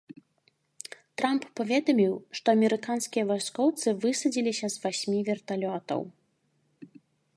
Трамп паведаміў, што амерыканскія вайскоўцы высадзіліся з васьмі верталётаў.